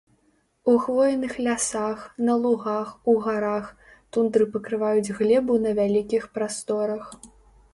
У хвойных лясах, на лугах, у гарах, тундры пакрываюць глебу на вялікіх прасторах.